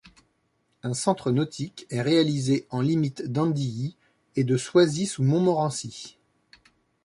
Un centre nautique est réalisé en limite d'Andilly et de Soisy-sous-Montmorency.